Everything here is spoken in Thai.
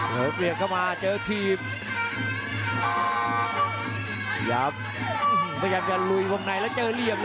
ใส่ลีบเข้ามาเจอทีม